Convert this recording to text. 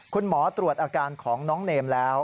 คุณหมอตรวจอาการของน้องเนมแล้ว